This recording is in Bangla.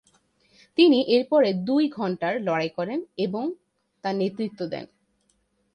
তিনি এরপরে দুই ঘণ্টার লড়াই করেন এবং তা নেতৃত্ব দেন।